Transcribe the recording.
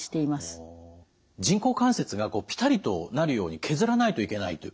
人工関節がこうぴたりとなるように削らないといけないという。